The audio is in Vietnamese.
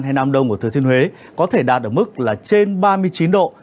hay nam đông của thứ thiên huế có thể đạt ở mức là trên ba mươi chín độ